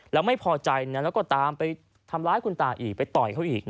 แล้วไม่พอใจแล้วก็ตามไปทำร้ายคุณตาอีกไปต่อยเขาอีก